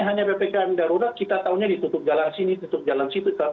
hanya ppkm darurat kita tahunya ditutup jalan sini tutup jalan situ